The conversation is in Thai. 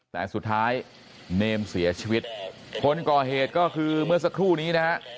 แต่สุดท้ายเนมเสียชีวิตคนก่อเหตุก็คือเมื่อสักครู่นี้นะฮะ